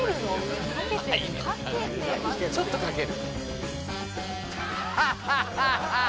ちょっとかける。